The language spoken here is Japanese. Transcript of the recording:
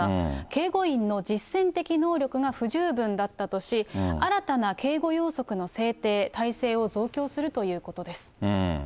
警護員の実践的能力が不十分だったとし、新たな警護要則の制定、体制を増強するということです。